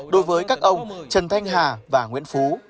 đối với các ông trần thanh hà và nguyễn phú